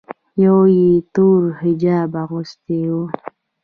یوه یې تور حجاب اغوستی و.